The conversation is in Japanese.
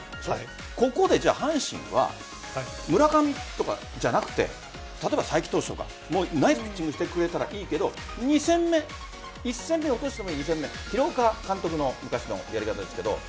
ここで阪神は村上とかじゃなくて例えば才木投手とかナイスピッチングしてくれたらいいけど、２戦目１戦目を落としても、２戦目広岡監督の昔のやり方ですけど。